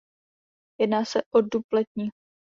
Jedná se o dub letní.